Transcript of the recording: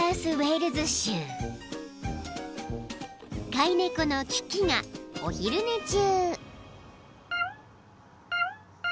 ［飼い猫のキキがお昼寝中］